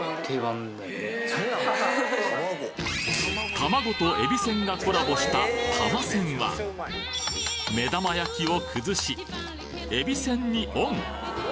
たまごとえびせんがコラボしたたませんは目玉焼きを崩しえびせんにオン！